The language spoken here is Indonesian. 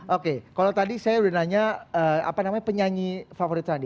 oke kalau tadi saya udah nanya apa namanya penyanyi favorit sandi